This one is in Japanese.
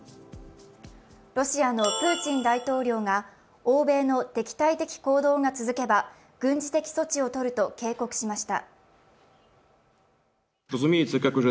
ロシアのプーチン大統領が欧米の敵対的行動が続けば、軍事的措置を取ると発言しました。